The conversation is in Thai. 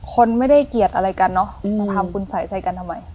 คนไม่ได้เกียรติอะไรกันเนาะทำคุณสายใจกันทำไม